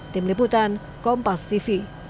tim liputan kompas tv